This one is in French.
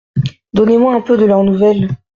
Donnez-moi un peu de leurs nouvelles.